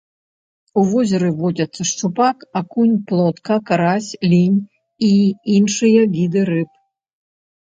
У возеры водзяцца шчупак, акунь, плотка, карась, лінь і іншыя віды рыб.